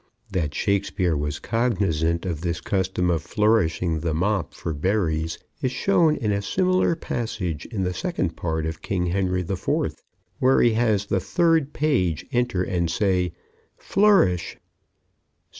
That Shakespeare was cognizant of this custom of flourishing the mop for berries is shown in a similar passage in the second part of King Henry IV, where he has the Third Page enter and say, "Flourish."